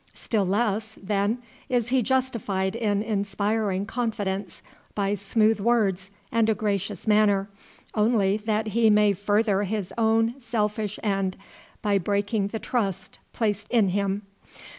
Still less, then, is he justified in inspiring confidence by smooth words and a gracious manner, only that he may further his own selfish end by breaking the trust placed in him.